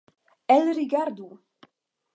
Elrigardu!